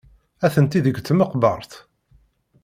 Atenti deg tmeqbert.